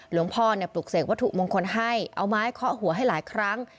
หลวงพ่อเนี่ยปลุกเสกวัตถุมงคลให้เอาไม้เคาะหัวให้หลายครั้ง